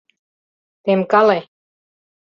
Темкале.